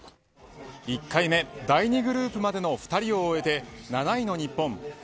１回目第２グループまでの２人を終えて７位の日本。